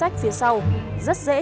à thế ạ xa thế ạ